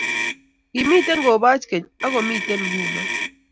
Kimitei koboch keny, ak komitei nguno;